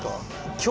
今日。